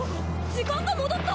時間が戻った！？